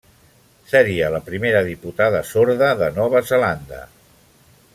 Seria la primera diputada sorda de Nova Zelanda.